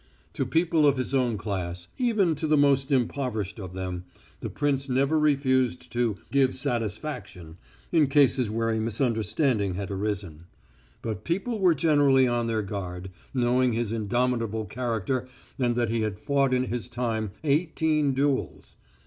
To people of his own class, even to the most impoverished of them, the prince never refused to "give satisfaction" in cases where a misunderstanding had arisen. But people were generally on their guard, knowing his indomitable character and that he had fought in his time eighteen duels.